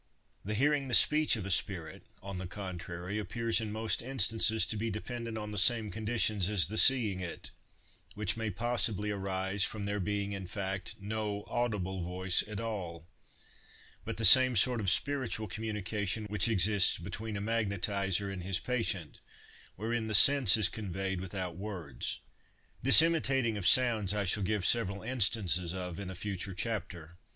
The hearing the speech of a spirit, on the contrary, appears in most instances to be dependent on the same conditions as the seeing it, which may possibly arise from there being, in fact, no audible voice at all, but the same sort of spiritual communication which exists between a magnetizer and his patient, wherein the sense is conveyed without words. This imitating of sounds I shall give several instances of in a future chapter.